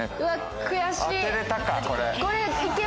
悔しい！